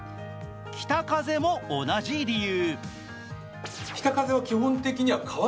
北風も同じ理由。